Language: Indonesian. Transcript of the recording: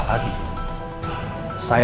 bukti baru apa